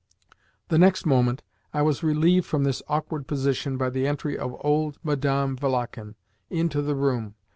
The next moment, I was relieved from this awkward position by the entry of old Madame Valakhin into the room.